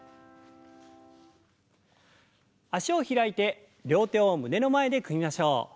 脚を開いて両手を胸の前で組みましょう。